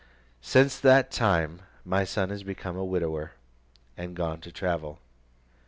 Since that time, my son is become a widower, and gone to travel.